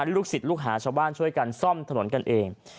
ลูกศิษย์ลูกหาชาวบ้านช่วยกันซ่อมถนนกันเอง